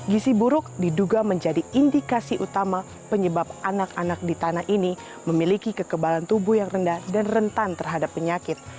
gizi buruk diduga menjadi indikasi utama penyebab anak anak di tanah ini memiliki kekebalan tubuh yang rendah dan rentan terhadap penyakit